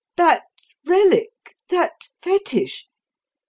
"That relic, that fetish!